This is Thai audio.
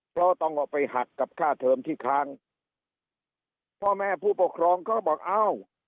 เพราะต้องเอาไปหักกับค่าเทอมที่ค้างพ่อแม่ผู้ปกครองเขาบอกอ้าว